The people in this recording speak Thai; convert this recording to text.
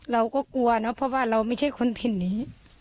เราก็กลัวเนอะเพราะว่าเราไม่ใช่คนถิ่นนี้